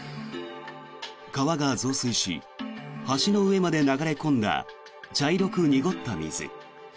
川が増水し橋の上まで流れ込んだ茶色く濁った水。